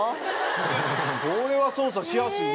蛍原：これは操作しやすいね。